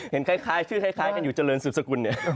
เห็นชื่อคล้ายกันอยู่เจริญสุปสกุลนี่